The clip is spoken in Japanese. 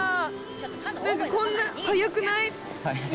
何かこんな早くない？